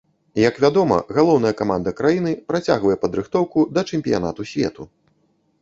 Як вядома, галоўная каманда краіны працягвае падрыхтоўку да чэмпіянату свету.